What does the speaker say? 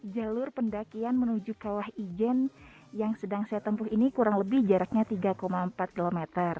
jalur pendakian menuju kawah ijen yang sedang saya tempuh ini kurang lebih jaraknya tiga empat km